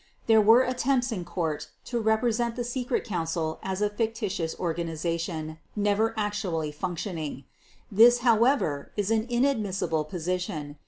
There were attempts in Court to represent the Secret Council as a fictitious organization, never actually functioning. This however is an inadmissible position.